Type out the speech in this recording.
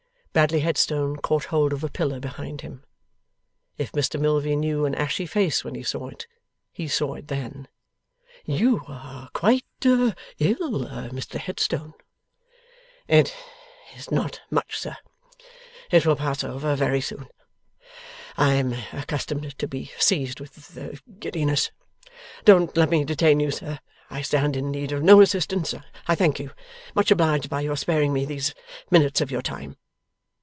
Bradley Headstone caught hold of a pillar behind him. If Mr Milvey knew an ashy face when he saw it, he saw it then. 'You are quite ill, Mr Headstone!' 'It is not much, sir. It will pass over very soon. I am accustomed to be seized with giddiness. Don't let me detain you, sir; I stand in need of no assistance, I thank you. Much obliged by your sparing me these minutes of your time.